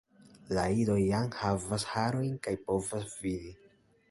La idoj jam havas harojn kaj povas vidi.